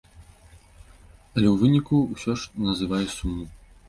Але ў выніку ўсё ж называе суму.